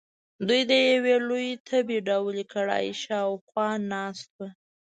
دوی د یوې لویې تبۍ ډوله کړایۍ شاخوا ناست وو.